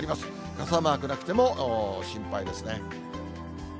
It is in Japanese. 傘マークなくても心配ですね。